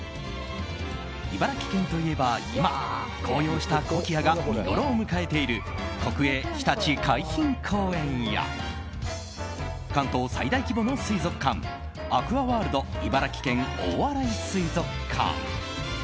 茨城県といえば今、紅葉したコキアが見ごろを迎えている国営ひたち海浜公園や関東最大規模の水族館アクアワールド茨城県大洗水族館。